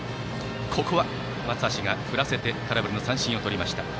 ここは松橋が振らせて空振り三振をとりました。